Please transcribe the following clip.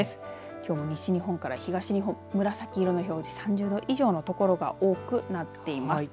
きょうも西日本から東日本紫色の表示３０度以上のところが多くなっています。